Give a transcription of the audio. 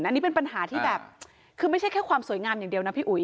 อันนี้เป็นปัญหาที่แบบคือไม่ใช่แค่ความสวยงามอย่างเดียวนะพี่อุ๋